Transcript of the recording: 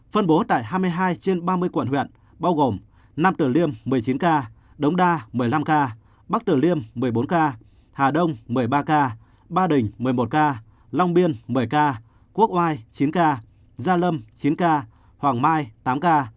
phân bố tại hai mươi hai trên ba mươi quận huyện bao gồm nam tử liêm một mươi chín ca đống đa một mươi năm ca bắc tử liêm một mươi bốn ca hà đông một mươi ba ca ba đình một mươi một ca long biên một mươi ca quốc oai chín ca gia lâm chín ca hoàng mai tám ca